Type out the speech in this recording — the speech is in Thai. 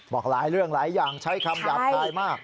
บอกหลายเรื่องหลายอย่างใช้คำหยาบคายมาก